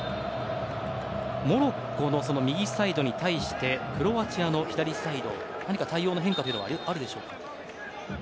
モロッコの右サイドに対してクロアチアの左サイドは何か対応の変化というのはあるでしょうか。